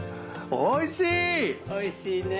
おいしいねえ。